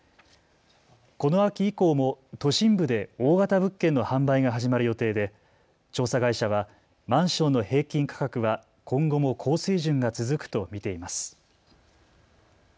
この秋以降も都心部で大型物件の販売が始まる予定で調査会社はマンションの平均価格は今後も高水準が続くと見ています。